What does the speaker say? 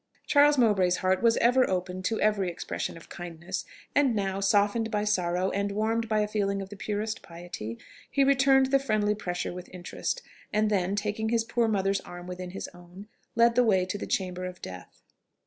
Charles Mowbray's heart was ever open to every expression of kindness; and now, softened by sorrow, and warmed by a feeling of the purest piety, he returned the friendly pressure with interest, and then, taking his poor mother's arm within his own, led the way to the chamber of death.